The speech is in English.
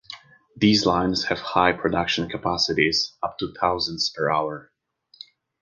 These lines have high production capacities, up to thousands per hour.